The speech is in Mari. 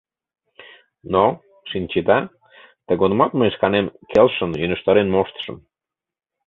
Но, шинчеда, тыгодымат мый шканем келшышын йӧнештарен моштышым.